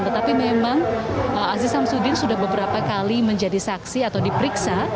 tetapi memang aziz samsudin sudah beberapa kali menjadi saksi atau diperiksa